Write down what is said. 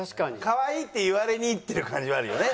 「可愛い」って言われにいってる感じはあるよね。